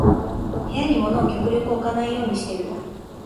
部屋に物を極力置かないようにしてる